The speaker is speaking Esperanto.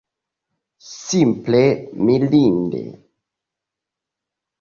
Simple mirinde!